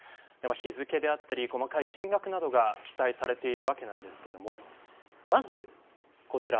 日付だったり細かい金額などが記載されているわけですがまずこちら。